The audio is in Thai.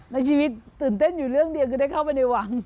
ในชีวิตตื่นเต้นอยู่เรื่องเดียวคือได้เข้าไปในวัง